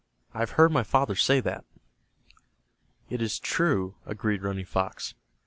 I have heard my father say that." "It is true," agreed Running Fox.